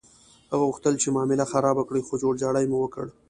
هغه غوښتل چې معامله خرابه کړي، خو جوړجاړی مو وکړ.